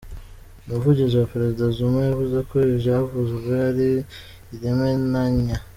Umuvugizi wa Prezida Zuma yavuze ko ivyavuzwe ari irementanya.